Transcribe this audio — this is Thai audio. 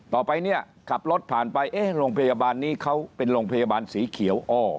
ต่อไปเนี่ยขับรถผ่านไปเอ๊ะโรงพยาบาลนี้เขาเป็นโรงพยาบาลสีเขียวอ้อ